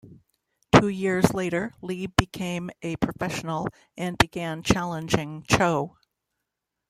Two years later, Lee became a professional and began challenging Cho.